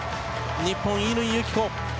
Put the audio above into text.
日本の乾友紀子。